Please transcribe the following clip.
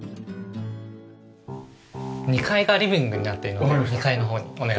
２階がリビングになっているので２階のほうにお願いします。